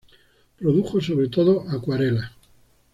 Produjo sobre todo acuarelas.